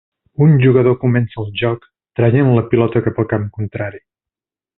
Un jugador comença el joc traient la pilota cap al camp contrari.